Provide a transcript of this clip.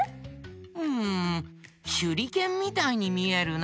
んしゅりけんみたいにみえるな。